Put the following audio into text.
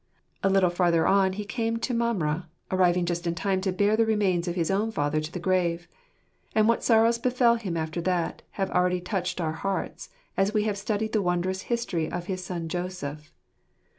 A little further on he came to Mamre, arriving just in time to bear the remains of his own father to the grave. And what sorrows befel him after that, have already touched our hearts, as we have studied the wondrous history of his son, Joseph.